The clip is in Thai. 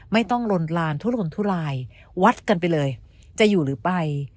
ลนลานทุลนทุลายวัดกันไปเลยจะอยู่หรือไป